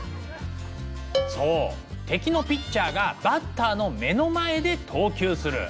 そう敵のピッチャーがバッターの目の前で投球する。